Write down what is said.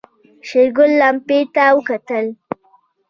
شېرګل لمپې ته وکتل.